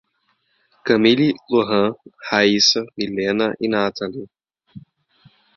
Kamilly, Lorran, Raysa, Millena e Nathaly